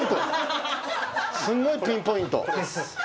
すごいピンポイント。